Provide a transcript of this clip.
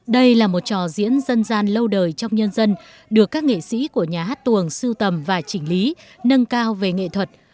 đây là một trò diễn dân gian lâu đời trong nhân dân được các nghệ sĩ của nhà hát tuồng sưu tầm và chỉnh lý nâng cao về nghệ thuật